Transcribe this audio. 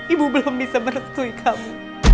ibu belum bisa merestui kamu